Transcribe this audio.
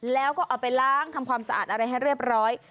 แล้วก็เอาไปล้างทำความสะอาดอะไรให้เรียบร้อย